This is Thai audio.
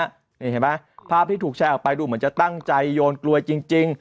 นี่เห็นไหมภาพที่ถูกแชร์ออกไปดูเหมือนจะตั้งใจโยนกลวยจริง